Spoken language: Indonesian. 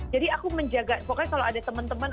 jadi aku menjaga pokoknya kalau ada teman teman